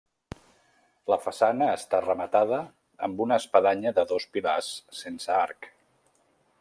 La façana està rematada amb una espadanya de dos pilars sense arc.